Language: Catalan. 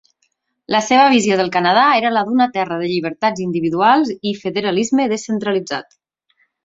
La seva visió del Canadà era la d'una terra de llibertats individuals i federalisme descentralitzat.